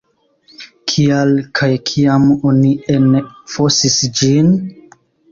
Kial kaj kiam oni enfosis ĝin?